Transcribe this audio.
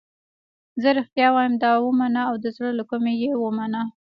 زه رښتیا وایم دا ومنه او د زړه له کومې یې ومنه.